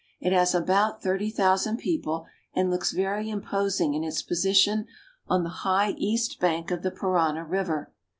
It has about thirty thousand people, and looks very imposing in its position on the high east bank of the Parana river.